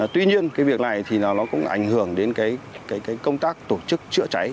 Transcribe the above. tuy nhiên việc này cũng ảnh hưởng đến công tác tổ chức chữa cháy